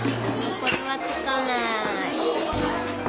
これはつかない。